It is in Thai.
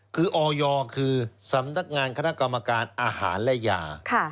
คือออยคือสำนักงานคณะกรรมการอาหารและยา